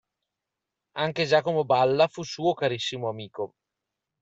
Anche Giacomo Balla, fu suo carissimo amico.